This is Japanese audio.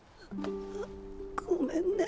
っごめんね。